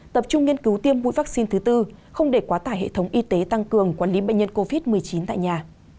tập trung nghiên cứu tiêm mũi vaccine thứ tư không để quá tải hệ thống y tế tăng cường quản lý bệnh nhân covid một mươi chín tại nhà